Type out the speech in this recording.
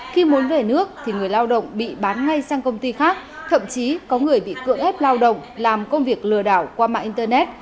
khi muốn về nước thì người lao động bị bán ngay sang công ty khác thậm chí có người bị cưỡng ép lao động làm công việc lừa đảo qua mạng internet